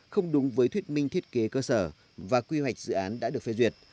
không đúng với thuyết minh thiết kế cơ sở và quy hoạch dự án đã được phê duyệt